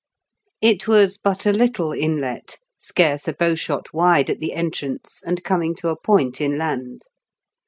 It was but a little inlet, scarce a bowshot wide at the entrance and coming to a point inland.